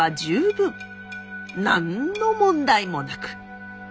何の問題もなく。